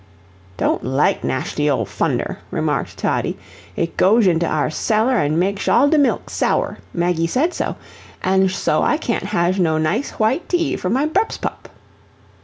"Don't like nashty old 'funder," remarked Toddie. "It goesh into our cellar an' makesh all ze milk sour Maggie said so. An' so I can't hazh no nice white tea for my brepspup."